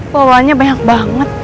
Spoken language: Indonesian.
bawaannya banyak banget